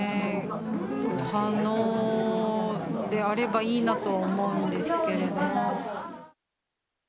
可能であればいいなとは思うんですけれども。